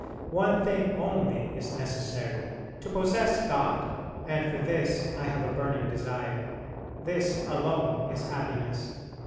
One thing only is necessary to possess God, and for this I have a burning desire. This alone is happiness.